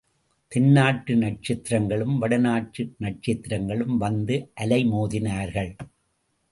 தென்னாட்டு நட்சத்திரங்களும், வடநாட்டு நட்சத்திரங்களும் வந்து அலைமோதினார்கள்.